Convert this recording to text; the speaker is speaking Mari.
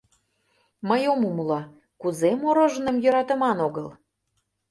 Мый ом умыло, кузе мороженыйым йӧратыман огыл?